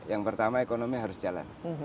yang pertama ekonomi harus jalan